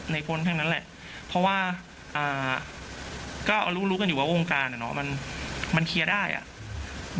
ก็ในภูมิขึ้นนะคะทำว่าก็รู้กันว่าวงการมันเครียสได้อ่ะ